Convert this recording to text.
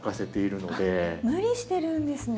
無理してるんですね。